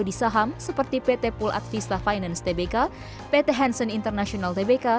di saham seperti pt pulat vista finance tbk pt hansen international tbk pt hansen international tbk